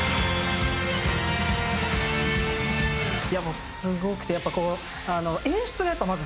いやもうすごくてやっぱこう。